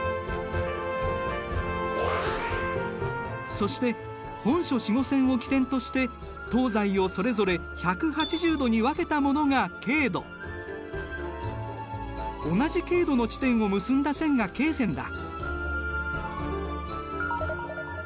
そして本初子午線を基点として東西をそれぞれ１８０度に分けたものが経度同じ経度の地点を結んだ線が経線だ。